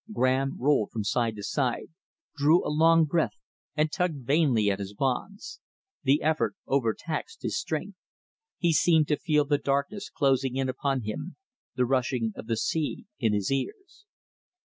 Graham rolled from side to side, drew a long breath, and tugged vainly at his bonds. The effort overtaxed his strength. He seemed to feel the darkness closing in upon him, the rushing of the sea in his ears....